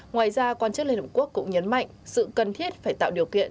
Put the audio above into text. ngoài ra quan chức liên hợp quốc cũng nhấn mạnh sự cần thiết phải tạo điều kiện